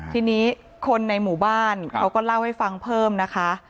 ทีนี้คนในหมู่บ้านเขาก็เล่าให้ฟังเพิ่มนะคะ